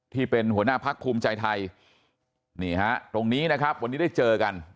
ที่เป็นหัวหน้าพักภูมิใจไทยนี่ฮะตรงนี้นะครับวันนี้ได้เจอกัน